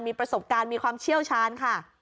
มีประสบการณ์มีความเชี่ยวชาญค่ะ